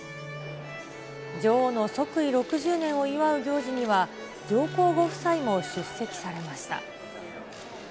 女王の即位６０年を祝う行事には、上皇ご夫妻も出席されました。